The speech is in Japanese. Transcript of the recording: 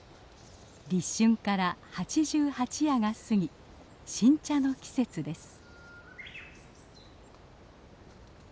立春から八十八夜が過ぎ新茶の季節です。